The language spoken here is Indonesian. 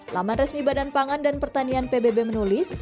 laman resmi badan pangan dan pertanian pbb menulis